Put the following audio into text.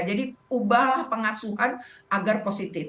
jadi ubahlah pengasuhan agar positif